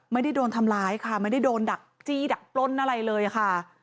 ไม่ได้โดนทำร้ายค่ะไม่ได้โดนดักจี้ดักปล้นอะไรเลยค่ะ